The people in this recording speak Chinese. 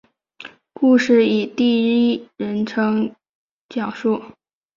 故事以第一人称讲述。